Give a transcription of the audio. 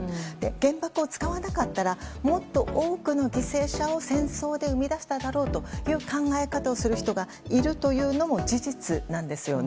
原爆を使わなかったらもっと多くの犠牲者を戦争で生み出しただろうという考え方をする人がいるというのも事実なんですよね。